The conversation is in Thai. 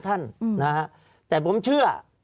ภารกิจสรรค์ภารกิจสรรค์